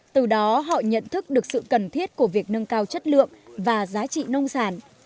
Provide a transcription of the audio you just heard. từ đó họ nhận thức được sự cần thiết của việc nâng cao chất lượng và giá trị nông sản